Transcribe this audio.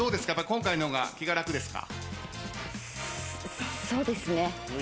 今回の方が気が楽ですか？